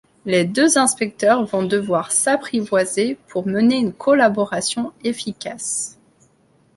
Les deux inspecteurs vont devoir s'apprivoiser pour mener une collaboration efficace...